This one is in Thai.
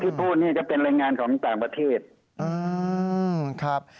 ที่พูดนี่ก็เป็นรายงานของต่างประเทศ